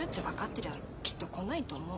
てりゃきっと来ないと思う。